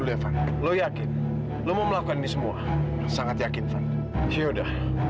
apa belum ada yang datang ya